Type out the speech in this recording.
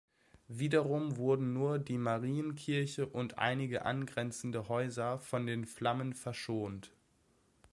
Wiederum wurden nur die Marienkirche und einige angrenzende Häuser von den Flammen verschont.